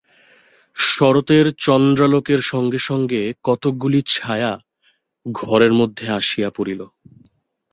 শরতের চন্দ্রালোকের সঙ্গে সঙ্গে কতকগুলি ছায়া ঘরের মধ্যে আসিয়া পড়িল।